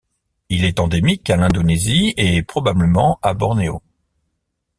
Il est endémique à l'Indonésie et probablement à Bornéo.